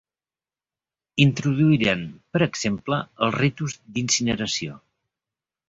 Introduïren, per exemple, els ritus d'incineració.